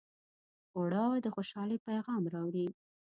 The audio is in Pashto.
اوړه د خوشحالۍ پیغام راوړي